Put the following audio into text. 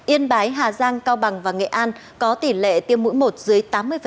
yên bái hà giang cao bằng và nghệ an có tỷ lệ tiêm mũi một dưới tám mươi